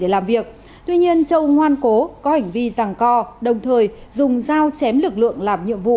làm việc tuy nhiên châu ngoan cố có hành vi rằng co đồng thời dùng dao chém lực lượng làm nhiệm vụ